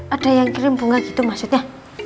ada yang kirim bunga gitu maksudnya